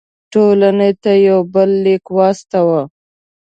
ټولنې ته یو بل لیک واستاوه.